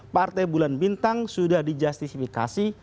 partai bulan bintang sudah dijustifikasi